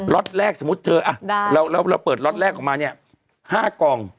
็ตแรกสมมุติเธอเราเปิดล็อตแรกออกมาเนี่ย๕กล่อง